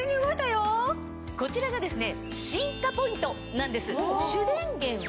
こちらがですね。